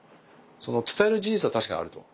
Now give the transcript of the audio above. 伝える事実は確かにあると。